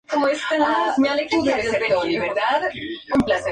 El más reciente de estos periodos helados fue la Pequeña Edad de Hielo.